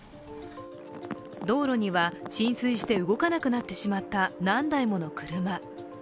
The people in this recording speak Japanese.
道路には浸水して動かなくなってしまった何台もの車。